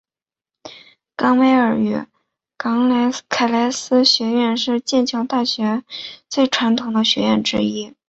冈维尔与凯斯学院是剑桥大学最传统的学院之一。